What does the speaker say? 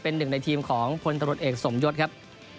เป็นหนึ่งในทีมของพลตรวจเอกสมยศครับ